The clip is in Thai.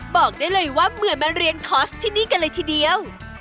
บอกได้เลยว่าเหมือนมาเรียนคอร์สที่นี่กันเลยทีเดียว